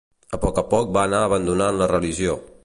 A poc a poc va anar abandonant la religió.